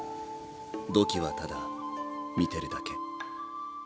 土器はただ見てるだけ。